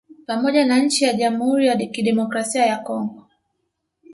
Pamoja na nchi ya Jamhuri ya Kidemokrasia ya Congo